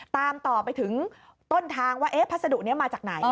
ตามต่อไปถึงต้นทางว่าพัสดุนี้มาจากไหน